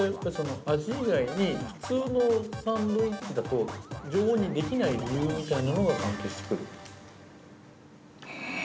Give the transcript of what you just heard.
◆味以外に普通のサンドイッチだと常温にできない理由みたいなのが関係してくる？